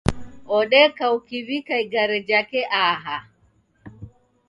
Odeka ukiw'ika igare jake aha.